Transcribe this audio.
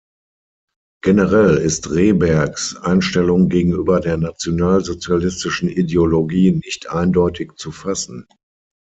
Generell ist Rehbergs Einstellung gegenüber der nationalsozialistischen Ideologie nicht eindeutig zu fassen.